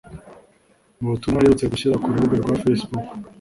Mu butumwa aherutse gushyira ku rubuga rwa Facebook